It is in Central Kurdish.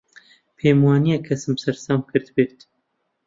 پێم وا نییە کەسم سەرسام کردبێت.